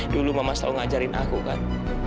dulu mama selalu ngajarin aku kan